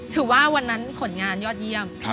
ถือว่าวันนั้นผลงานยอดเยี่ยม